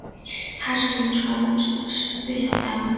它是遗传物质的最小单位。